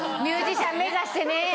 「ミュージシャン目指してね」。